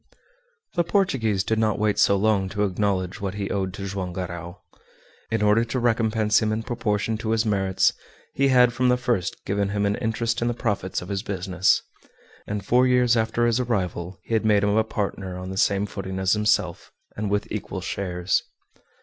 The Portuguese did not wait so long to acknowledge what he owed to Joam Garral. In order to recompense him in proportion to his merits he had from the first given him an interest in the profits of his business, and four years after his arrival he had made him a partner on the same footing as himself, and with equal shares.